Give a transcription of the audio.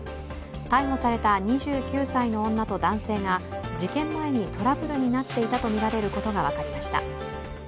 逮捕された２９歳の女と男性が事件前にトラブルになっていたとみられることが分かりました。